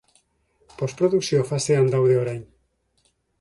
Postprodukzio fasean daude orain.